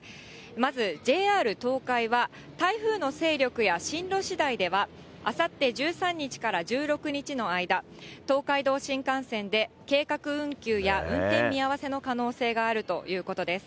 まずＪＲ東海は、台風の勢力や進路しだいでは、あさって１３日から１６日の間、東海道新幹線で計画運休や運転見合わせの可能性があるということです。